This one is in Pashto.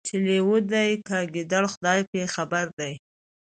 چي لېوه دی که ګیدړ خدای په خبر دی